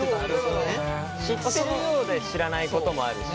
知ってるようで知らないこともあるしね。